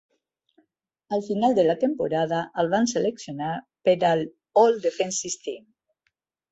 Al final de la temporada, el van seleccionar per al All-Defensive Team.